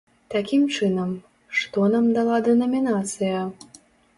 Такім чынам, што нам дала дэнамінацыя?